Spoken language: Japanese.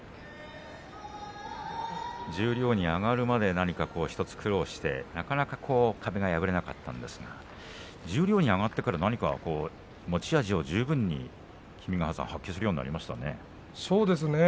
十両に上がるまで苦労してなかなか壁が破れなかったんですが十両に上がってからは何か持ち味、十分に発揮するようになりましたね。